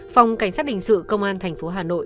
phòng cảnh sát hình sự công an thành phố hà nội